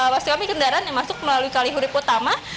maksud kami kendaraan yang masuk melalui kalihurip utama